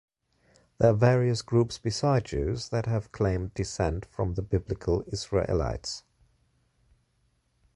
There are various groups besides Jews that have claimed descent from the biblical Israelites.